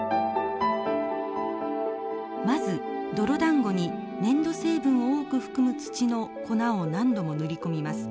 まず泥だんごに粘土成分を多く含む土の粉を何度も塗り込みます。